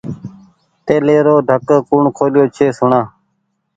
تيليرو ڍڪ ڪوٚڻ کوليو ڇي سوڻآ